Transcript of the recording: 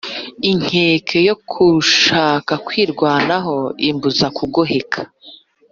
Inkeke yo gushaka kwirwanaho ibuza kugoheka,